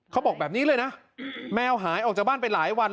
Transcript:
เขาบอกแบบนี้เลยนะแมวหายออกจากบ้านไปหลายวัน